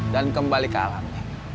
dan kembali ke alamnya